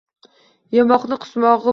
Yemoqni qusmog'i bor.